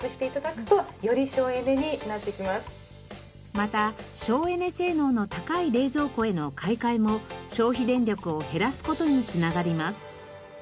また省エネ性能の高い冷蔵庫への買い替えも消費電力を減らす事につながります。